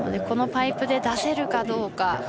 このパイプで出せるかどうか。